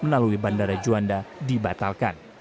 menalui bandara juanda dan semarang